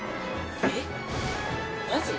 えっマジ？